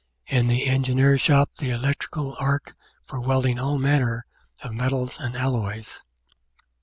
in the Engineer's shop the electric arc for welding all manner of metals and alloys.